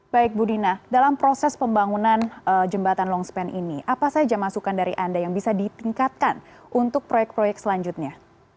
baik bu dina dalam proses pembangunan jembatan longspan ini apa saja masukan dari anda yang bisa ditingkatkan untuk proyek proyek selanjutnya